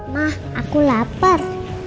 ma aku lapar